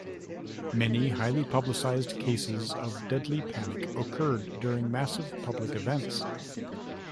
Many highly publicized cases of deadly panic occurred during massive public events.